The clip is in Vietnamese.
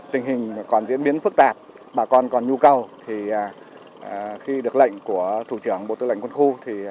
tình hình còn diễn biến phức tạp bà con còn nhu cầu khi được lệnh của thủ trưởng bộ tư lệnh quân khu